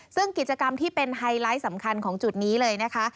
ซึ่งกิจกรรมที่เป็นไฮไลท์สำคัญของจุดนี้เลยนะคะ